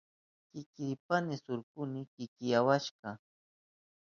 Llakirishpayni shunkuyni kichkiyawashka.